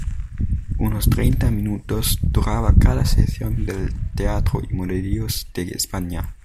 Unos treinta minutos duraba cada sesión del Teatro y Melodías de España.